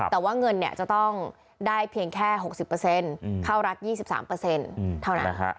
แต่ว่าเงินจะต้องได้เพียงแค่๖๐เปอร์เซ็นต์เข้ารัก๒๓เปอร์เซ็นต์เท่านั้น